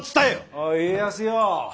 おい家康よ。